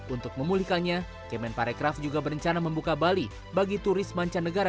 untuk memulihkannya kemen parekraf juga berencana membuka bali bagi turis mancanegara